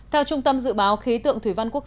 theo trung tâm dự báo khế tượng thủy văn quốc tế